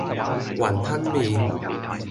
雲吞麪